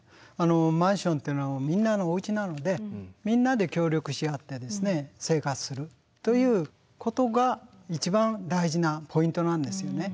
マンションっていうのはみんなのおうちなのでみんなで協力し合って生活するということが一番大事なポイントなんですよね。